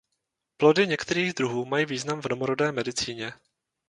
Plody některých druhů mají význam v domorodé medicíně.